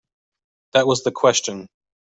That was the question.